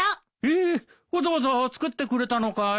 ええっわざわざ作ってくれたのかい？